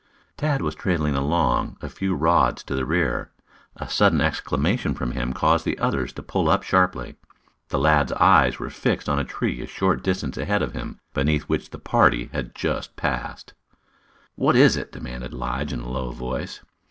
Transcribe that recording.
Tad was trailing along a few rods to the rear. A sudden exclamation from him caused the others to pull up sharply. The lad's eyes were fixed on a tree a short distance ahead of him beneath which the party had just passed. "What is it?" demanded Lige in a low voice.